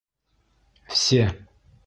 Все!